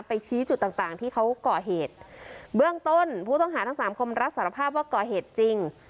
ชี้จุดต่างต่างที่เขาก่อเหตุเบื้องต้นผู้ต้องหาทั้งสามคนรับสารภาพว่าก่อเหตุจริง